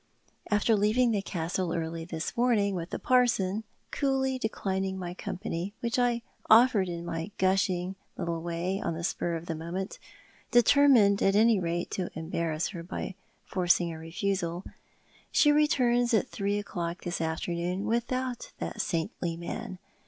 After leaving the Castle early this morning with the jiarson— coolly declining my company, which I offered in my gushing little way, on the spur of the moment, determined at any rate to embarrass her by forcing a refusal — she returns at three o'clock this afternoon without that saintly man.